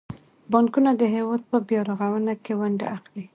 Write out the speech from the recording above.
بانکونه د هیواد په بیارغونه کې ونډه اخلي.